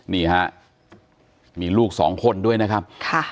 นี่ฮะมีลูกสองคนด้วยนะครับ